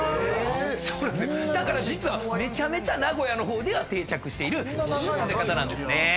そんな⁉だから実はめちゃめちゃ名古屋の方では定着している食べ方なんですね。